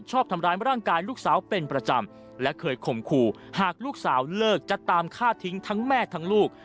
ชอบทำร้ายร่างกายลูกสาวเป็นประจำและเคยข่มขู่หากลูกสาวเลิกจะตามฆ่าทิ้งทั้งแม่ทั้งลูก